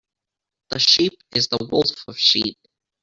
The sheep is the wolf of sheep.